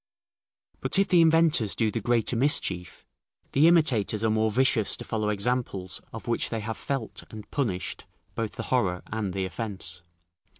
But if the inventors do the greater mischief, the imitators are more vicious to follow examples of which they have felt and punished both the horror and the offence.